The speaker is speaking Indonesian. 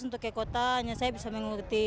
untuk ke kota hanya saya bisa mengerti